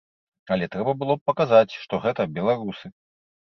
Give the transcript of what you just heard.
Але трэба было паказаць, што гэта беларусы.